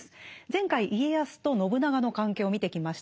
前回家康と信長の関係を見てきました。